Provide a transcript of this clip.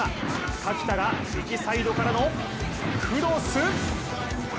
垣田が右サイドからのクロス。